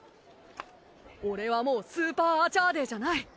俺はもうスーパーあちゃーデーじゃない。